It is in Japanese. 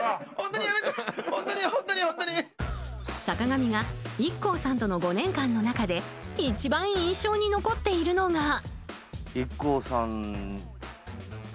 坂上がＩＫＫＯさんとの５年間の中で一番印象に残っているのが。